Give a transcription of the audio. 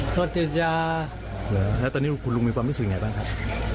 โทษทีซาร์แล้วตอนนี้คุณลูกมีความรู้สึกยังไงบ้างครับ